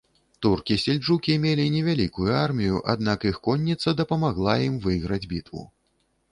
Туркі-сельджукі мелі невялікую армію, аднак іх конніца дапамагла ім выйграць бітву.